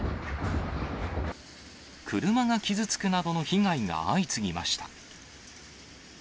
車が傷つくなどの被害が相次ぎました。